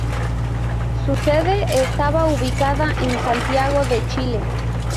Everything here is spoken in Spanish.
Su sede estaba ubicada en Santiago de Chile.